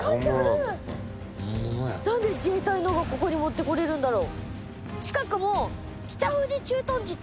なんで自衛隊のがここに持ってこれるんだろう？